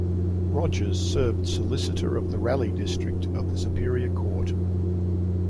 Rogers served solicitor of the Raleigh district of the superior court.